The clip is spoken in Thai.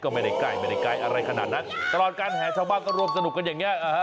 ก็ไม่ได้ใกล้ไม่ได้ไกลอะไรขนาดนั้นตลอดการแห่ชาวบ้านก็ร่วมสนุกกันอย่างเงี้